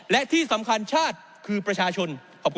และที่สำคัญชาติคือประชาชน